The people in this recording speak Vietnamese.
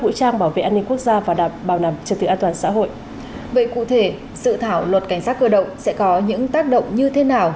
vậy cụ thể sự thảo luật cảnh sát cơ động sẽ có những tác động như thế nào